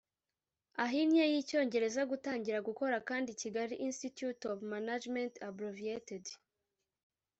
ahinnye y icyongereza gutangira gukora kandi Kigali Institute of Management abbreviated